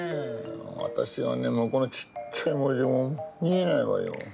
私はねもうこのちっちゃい文字が見えないわよ。